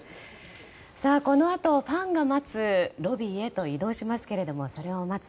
このあと、ファンが待つロビーへと移動しますがそれを待つ